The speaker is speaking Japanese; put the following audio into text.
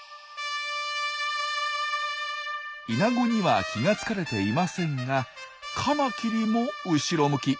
イナゴには気が付かれていませんがカマキリも後ろ向き。